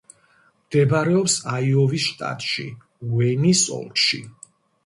მდებარეობს აიოვის შტატში, უეინის ოლქში.